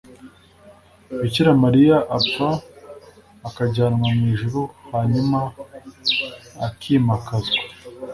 bikira mariya apfa akajyanwa mu ijuru hanyuma akimakazwa